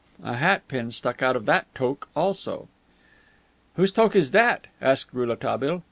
A hat pin stuck out of that toque also. "Whose toque is that?" asked Rouletabille.